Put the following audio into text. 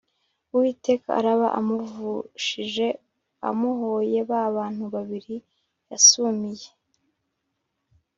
Uwiteka araba amuvushije amuhoye ba bantu babiri yasumiye